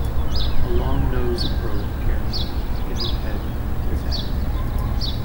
A long nose probe carrying a pitot head was added.